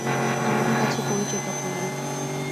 আমাদের কাছে পরিচয়পত্র নেই।